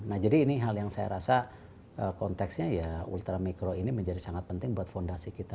nah jadi ini hal yang saya rasa konteksnya ya ultramikro ini menjadi sangat penting buat fondasi kita